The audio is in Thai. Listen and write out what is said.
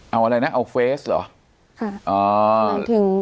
เอาอะไรนะเอาเฟสเหรอ